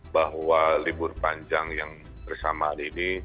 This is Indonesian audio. bahwa libur panjang yang bersama hari ini